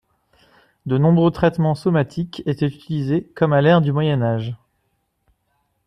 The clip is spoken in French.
De nombreux traitements somatiques étaient utilisés comme à l'ère du Moyen Âge.